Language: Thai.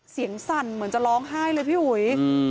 สั่นเหมือนจะร้องไห้เลยพี่อุ๋ย